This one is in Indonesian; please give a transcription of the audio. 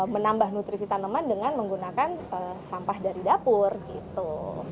menambah nutrisi tanaman dengan menggunakan sampah dari dapur gitu